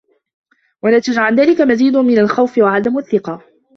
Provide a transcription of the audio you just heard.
ونتج عن ذلك مزيد من الخوف وعدم الثقة.